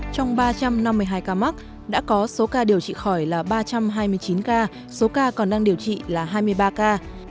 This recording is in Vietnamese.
trong ba trăm năm mươi hai ca mắc đã có số ca điều trị khỏi là ba trăm hai mươi chín ca số ca còn đang điều trị là hai mươi ba ca